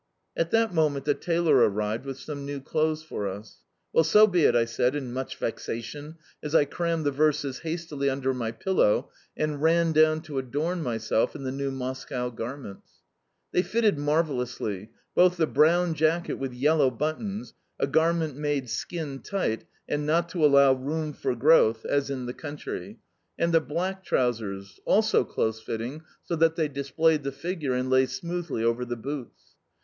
At that moment the tailor arrived with some new clothes for us. "Well, so be it!" I said in much vexation as I crammed the verses hastily under my pillow and ran down to adorn myself in the new Moscow garments. They fitted marvellously both the brown jacket with yellow buttons (a garment made skin tight and not "to allow room for growth," as in the country) and the black trousers (also close fitting so that they displayed the figure and lay smoothly over the boots).